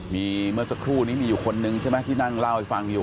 มีเมื่อสักครู่นี้มีอยู่คนนึงใช่ไหมที่นั่งเล่าให้ฟังอยู่